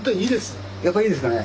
やっぱいいですかね？